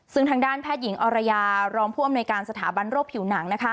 ซึ่งทางด้านแพทย์หญิงอรยารองผู้อำนวยการสถาบันโรคผิวหนัง